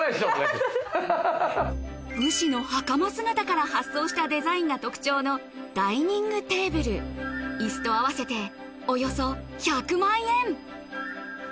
武士のはかま姿から発想したデザインが特徴のダイニングテーブル椅子と合わせておよそ１００万円